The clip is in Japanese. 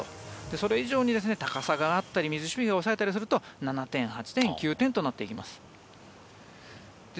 それ以上に高さがあったり水しぶきを抑えたりすると７点、８点、９点となっていきます。